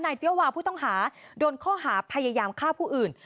เจียวาผู้ต้องหาโดนข้อหาพยายามฆ่าผู้อื่น